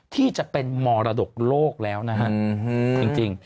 ที่จะเป็นมรดกโลกแล้วนะฮะจริง